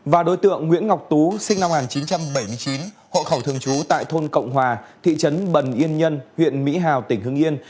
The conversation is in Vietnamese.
và đối tượng nguyễn ngọc tú sinh năm một nghìn chín trăm bảy mươi chín hộ khẩu thường trú tại thôn cộng hòa thị trấn bần yên nhân huyện mỹ hào tỉnh hưng yên